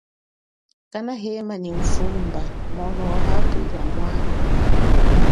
Kana hema nyi udumba mono wahapwila mwana.